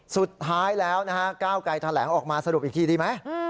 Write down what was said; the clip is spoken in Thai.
สุดท้ายแล้วกกแถลงออกมาสรุปอีกทีดีไหม